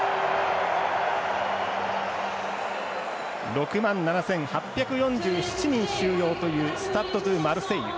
６万７８４７人収容というスタッド・ド・マルセイユ。